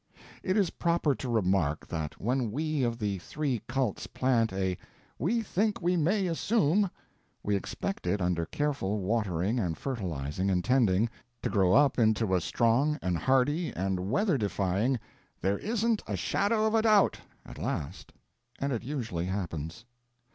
It is proper to remark that when we of the three cults plant a "we think we may assume," we expect it, under careful watering and fertilizing and tending, to grow up into a strong and hardy and weather defying "there isn't a shadow of a doubt" at last—and it usually happens.